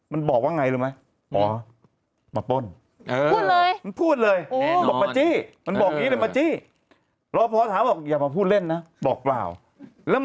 มันบอกว่าไงรู้ไหม